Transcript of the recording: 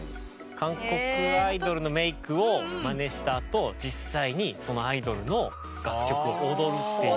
韓国アイドルのメイクをマネしたあと実際にそのアイドルの楽曲を踊るっていう。